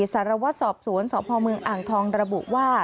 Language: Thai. สารวัตรสอบสวนสพเมืองอ่างทองระบุว่า